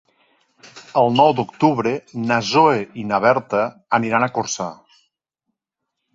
El nou d'octubre na Zoè i na Berta iran a Corçà.